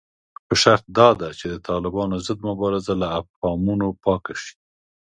خو شرط داده چې د طالبانو ضد مبارزه له ابهامونو پاکه شي